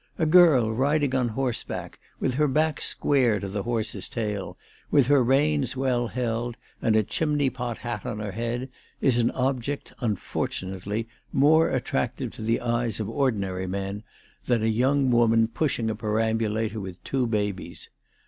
A girl riding on horseback, with her back square to the horse's tail, with her reins well held, and a chimney pot hat on her head, is an object, unfortunately, more attractive to the eyes of ordinary men, than a young woman pushing a peram bulator with two babies.